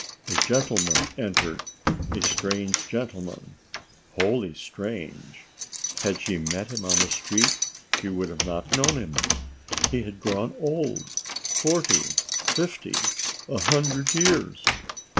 "A gentleman entered. A strange gentleman. Wholly strange. Had she met him on the street she would not have known him. He had grown old—forty, fifty, a hundred years.